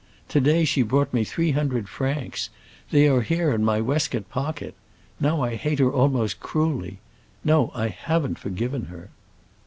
To day she brought me three hundred francs; they are here in my waistcoat pocket. Now I hate her almost cruelly. No, I haven't forgiven her."